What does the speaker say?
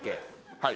はい。